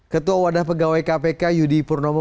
ketua wadah pegawai kpk yudi purnomo